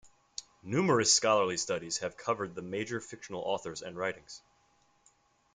Numerous scholarly studies have covered the major fictional authors and writings.